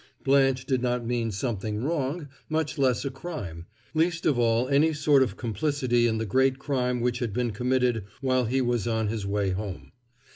Blanche did not mean something wrong, much less a crime, least of all any sort of complicity in the great crime which had been committed while he was on his way home.